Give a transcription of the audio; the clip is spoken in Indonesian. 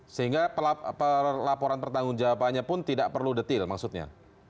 sehingga laporan pertanggung jawabannya pun tidak perlu detail maksudnya